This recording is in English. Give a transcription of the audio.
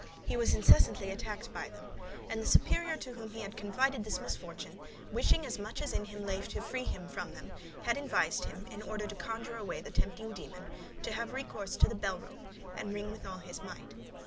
He was incessantly attacked by them, and the superior, to whom he had confided this misfortune, wishing as much as in him lay to free him from them, had advised him, in order to conjure away the tempting demon, to have recourse to the bell rope, and ring with all his might.